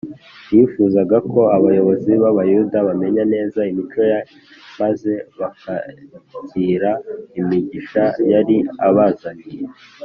yifuzaga ko abayobozi b’Abayuda bamenya neza imico Ye maze bakakira imigisha yari abazaniye